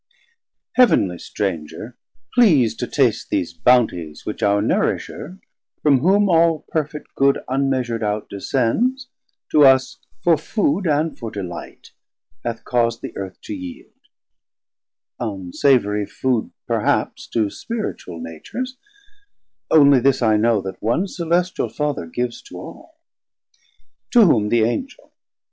Heav'nly stranger, please to taste These bounties which our Nourisher, from whom All perfet good unmeasur'd out, descends, To us for food and for delight hath caus'd 400 The Earth to yeild; unsavourie food perhaps To spiritual Natures; only this I know, That one Celestial Father gives to all. To whom the Angel.